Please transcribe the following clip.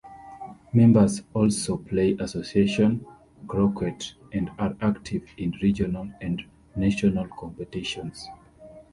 Members also play Association Croquet and are active in Regional and National competitions.